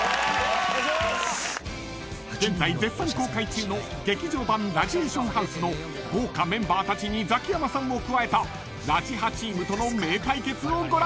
［現在絶賛公開中の劇場版ラジエーションハウスの豪華メンバーたちにザキヤマさんを加えたラジハチームとの名対決をご覧ください］